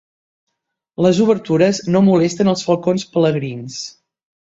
Les obertures no molesten els falcons pelegrins.